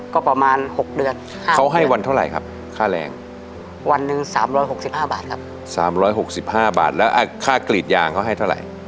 สามร้อยหกสิบห้าบาทแล้วอ่ะค่ากรีดยางเขาให้เท่าไหร่